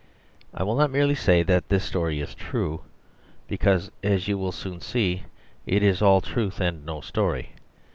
I will not merely say that this story is true: because, as you will soon see, it is all truth and no story.